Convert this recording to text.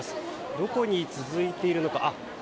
どこに続いているのか。